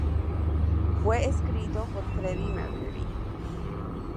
Fue escrito por Freddie Mercury.